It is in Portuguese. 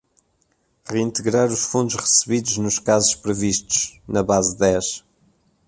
Reintegrar os fundos recebidos nos casos previstos na base dez.